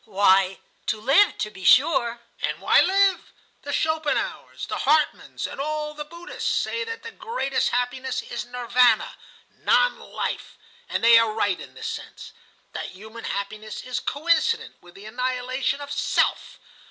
"Why, to live, to be sure." "And why live? The Schopenhauers, the Hartmanns, and all the Buddhists, say that the greatest happiness is Nirvana, Non Life; and they are right in this sense,—that human happiness is coincident with the annihilation of 'Self.